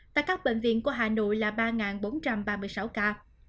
tại các bệnh viện của hà nội là ba bốn trăm ba mươi sáu ca